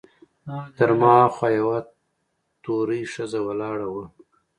تر ما هاخوا یوه تورۍ ښځه ولاړه وه.